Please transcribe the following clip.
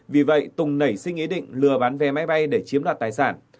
vì vậy tùng nảy sinh ý định lừa bán vé máy bay để chiếm đoạt tài sản